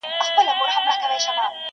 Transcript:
شپې ته راغله انګولا د بلاګانو؛